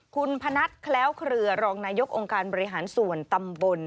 คุณพนัทแคล้วเครือรองนายกองค์การบริหารส่วนตำบล